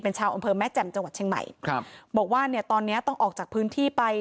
ชาวอำเภอแม่แจ่มจังหวัดเชียงใหม่ครับบอกว่าเนี่ยตอนเนี้ยต้องออกจากพื้นที่ไป